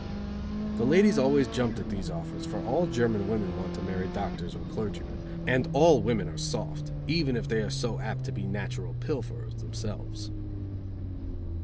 The ladies always jumped at these offers, for all German women want to marry doctors or clergymen; and all women are soft, even if they are so apt to be natural pilferers themselves.